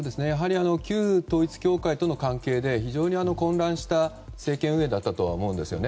旧統一教会との関係で非常に混乱した政権運営だったと思うんですよね。